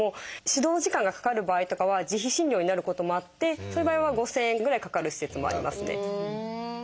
指導時間がかかる場合とかは自費診療になることもあってそういう場合は５，０００円ぐらいかかる施設もありますね。